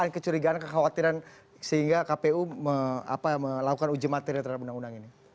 kecurigaan kekhawatiran sehingga kpu melakukan uji materi terhadap undang undang ini